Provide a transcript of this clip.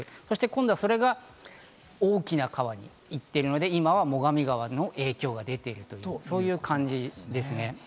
今度はそれが大きな川に行ってるので、今は最上川の影響が出ているという感じですね。